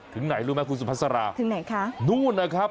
ถึงไหนรู้ไหมคุณสุภาษาถึงไหนคะนู่นนะครับ